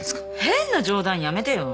変な冗談やめてよ。